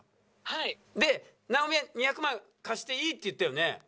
「はい」で直美は２００万貸していいって言ったよね？